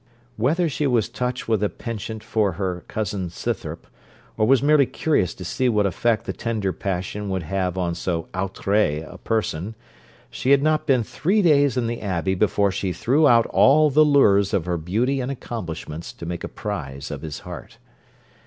Whether she was touched with a penchant for her cousin Scythrop, or was merely curious to see what effect the tender passion would have on so outré a person, she had not been three days in the Abbey before she threw out all the lures of her beauty and accomplishments to make a prize of his heart.